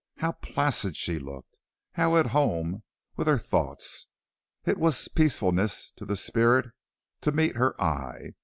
How placid she looked, how at home with her thoughts! It was peacefulness to the spirit to meet her eye.